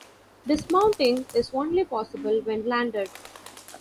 Dismounting is only possible when landed.